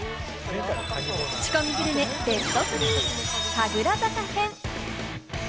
クチコミグルメベスト３、神楽坂編。